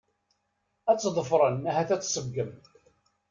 Ad ten-ḍefren ahat ad tseggem.